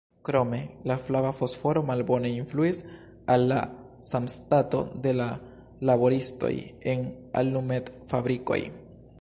Krome, la flava fosforo malbone influis al la sanstato de la laboristoj en alumetfabrikoj.